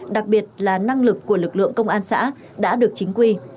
đặc biệt là năng lực của lực lượng công an xã đã được chính quy